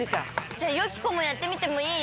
じゃあよき子もやってみてもいい？